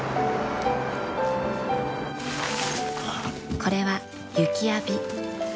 これは雪浴び。